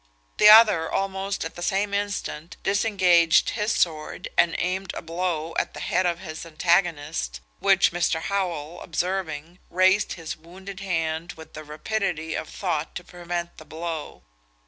The other, almost at the same instant, disengaged his sword, and aimed a blow at the head of his antagonist, which Mr. Howell observing, raised his wounded hand with the rapidity of thought to prevent the blow.